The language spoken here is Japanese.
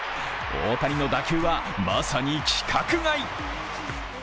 大谷の打球はまさに規格外。